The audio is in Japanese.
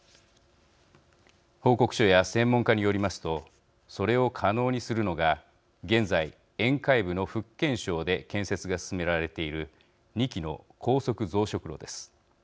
報告書や専門家によりますとそれを可能にするのが現在沿海部の福建省で建設が進められている２基の高速増殖炉です。